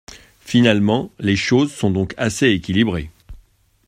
Finalement, les choses sont donc assez équilibrées.